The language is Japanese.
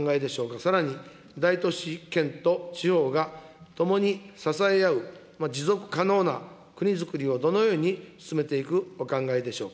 さらに大都市圏と地方がともに支え合う持続可能な国づくりをどのように進めていくお考えでしょうか。